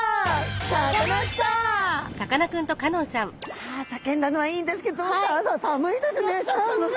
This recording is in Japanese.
さあ叫んだのはいいんですけど寒いですね。